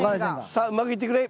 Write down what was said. さあうまくいってくれ。